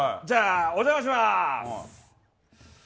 じゃあお邪魔します。